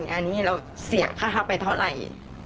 เวลานี้เราเสี่ยงฆ่าไปเท่าไร